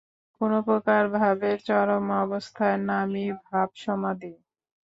কোন প্রকার ভাবের চরমাবস্থার নামই ভাবসমাধি।